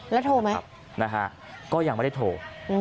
แล้วโทรไหมนะฮะก็ยังไม่ได้โทร